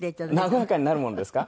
和やかになるものですか？